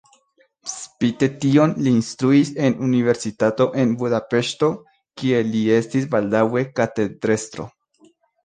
Spite tion li instruis en universitato en Budapeŝto, kie li estis baldaŭe katedrestro.